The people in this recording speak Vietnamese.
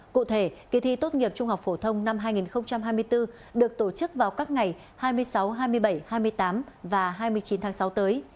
cụ thể kỳ thi tốt nghiệp trung học phổ thông năm hai nghìn hai mươi bốn được tổ chức vào các ngày hai mươi sáu hai mươi bảy hai mươi tám và hai mươi chín tháng sáu tới